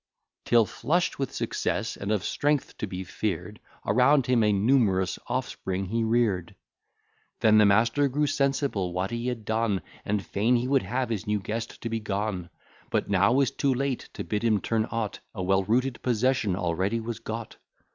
'Till flush'd with success, and of strength to be fear'd, Around him a numerous offspring he rear'd. Then the master grew sensible what he had done, And fain he would have his new guest to be gone; But now 'twas too late to bid him turn out, A well rooted possession already was got.